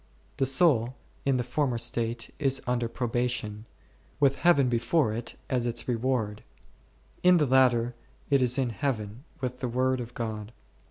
The soul in the former state is under pro bation, with Heaven before it as its reward; in the latter it is in Heaven with the Word of God.